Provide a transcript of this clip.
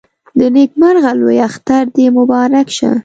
د نيکمرغه لوی اختر دې مبارک شه